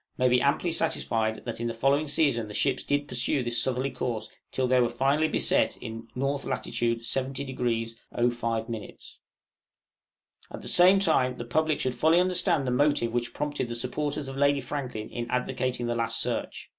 may be amply satisfied that in the following season the ships did pursue this southerly course till they were finally beset in N. lat. 70° 05'. At the same time, the public should fully understand the motive which prompted the supporters of Lady Franklin in advocating the last search.